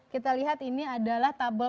kita lihat ini adalah tabel